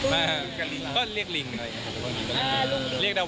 ไม่ได้เรียกแฟนครับ